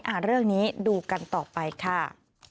เรื่องนี้ดูกันต่อไปค่ะ